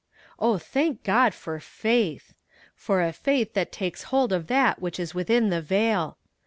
Oh, thank God for FAITH! for a faith that takes hold of that which is within the veil.